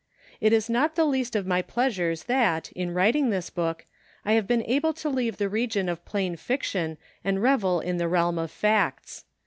It is not the least of my pleasures that, in writing this book, I have been able to leave the region of plain fiction and revel in the realm of facts.